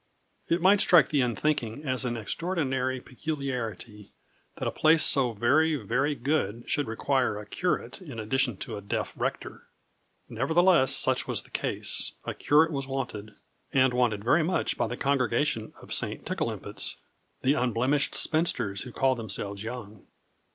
It might strike the unthinking as an extraordinary peculiarity that a place so very, very good should require a curate in addition to a deaf rector. Nevertheless such was the case a curate was wanted, and wanted very much by the congregation of St. Tickleimpit's the unblemished spinsters, who called themselves young.